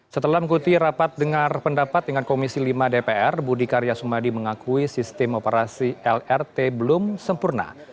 setelah mengikuti rapat dengar pendapat dengan komisi lima dpr budi karya sumadi mengakui sistem operasi lrt belum sempurna